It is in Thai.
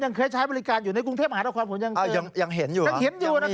ยังเคยใช้บริการอยู่ในกรุงเทพฯหาถ้าความผมยังสืบอ่ายังเห็นอยู่นะครับ